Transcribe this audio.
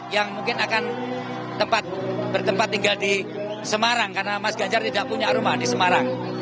yang mungkin akan bertempat tinggal di semarang karena mas ganjar tidak punya rumah di semarang